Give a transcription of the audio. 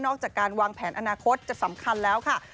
จากการวางแผนอนาคตจะสำคัญแล้วค่ะ